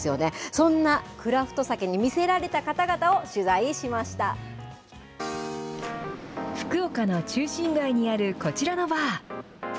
そんなクラフトサケに見せられた福岡の中心街にあるこちらのバー。